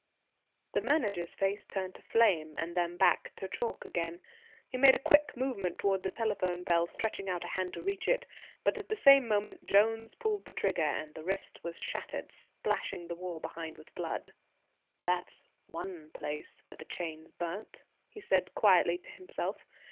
The Manager's face turned to flame, and then back to chalk again. He made a quick movement towards the telephone bell, stretching out a hand to reach it, but at the same moment Jones pulled the trigger and the wrist was shattered, splashing the wall behind with blood. "That's one place where the chains burnt," he said quietly to himself.